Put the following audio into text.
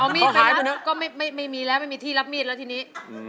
เอามีทไปนะก็ไม่มีแล้วไม่มีที่รับมีดแล้วทีนี้